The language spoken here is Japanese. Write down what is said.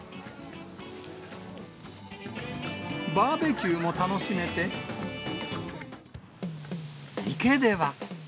バーベキューも楽しめて、池では。